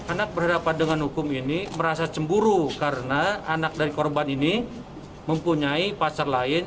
anak berhadapan dengan hukum ini merasa cemburu karena anak dari korban ini mempunyai pacar lain